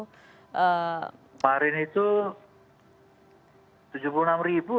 kemarin itu tujuh puluh enam ribu